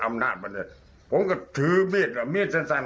พวกมันต้องซื้อมิดที่สั่นสั่น